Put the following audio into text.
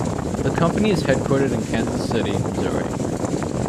The company is headquartered in Kansas City, Missouri.